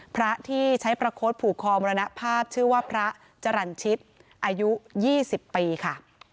พระที่ใช้ประโค้ดผูกคอมรณภาพชื่อว่าพระจรรย์ชิตอายุ๒๐ปีค่ะ